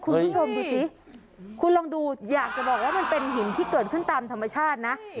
คุณผู้ชมดูสิคุณลองดูอยากจะบอกว่ามันเป็นหินที่เกิดขึ้นตามธรรมชาตินะ